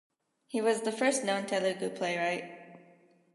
He was the first known Telugu playwright.